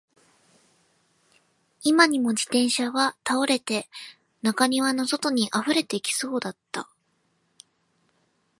今にも自転車は倒れて、中庭の外に溢れてきそうだった